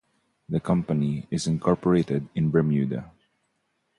The company is incorporated in Bermuda.